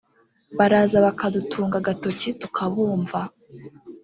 Baraza bakadutunga agatoki tukabumva